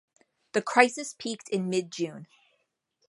The crisis peaked in mid-June.